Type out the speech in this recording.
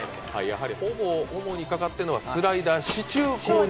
やはりほぼ主にかかってるのはスライダー支柱工事費。